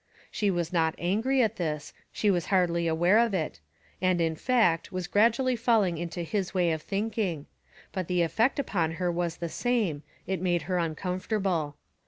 She was not angry at this; she was hardly aware of it; and, in fact, was gradually falling into his way of thinking; but the effect upon her was the same it made her uncomfortable.